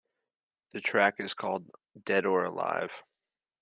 The track is called "Dead or Alive".